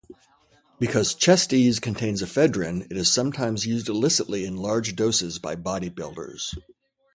Because ChestEze contains ephedrine, it is sometimes used illicitly in large doses by bodybuilders.